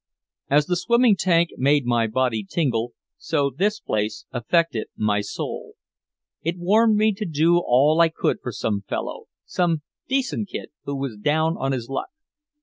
As the swimming tank made my body tingle, so this place affected my soul. It warmed me to do all I could for some fellow, some decent kid who was down on his luck.